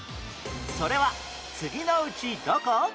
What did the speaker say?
それは次のうちどこ？